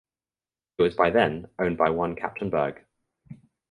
It was by then owned by one captain Berg.